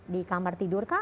di kamar tidur kah